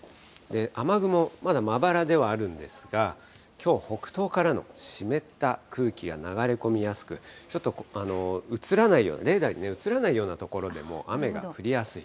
雨雲、まだまばらではあるんですが、きょう、北東からの湿った空気が流れ込みやすく、ちょっと移らないような、レーダーに映らないような所でも、雨が降りやすい。